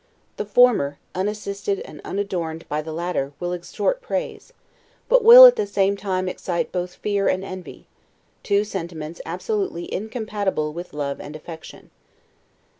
The former, unassisted and unadorned by the latter, will extort praise; but will, at the same time, excite both fear and envy; two sentiments absolutely incompatible with love and affection.